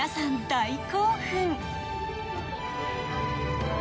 大興奮。